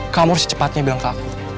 kamu harus secepatnya bilang ke aku